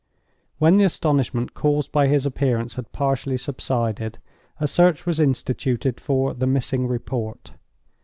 When the astonishment caused by his appearance had partially subsided, a search was instituted for the missing report.